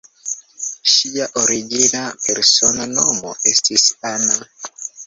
Ŝia origina persona nomo estis "Anna".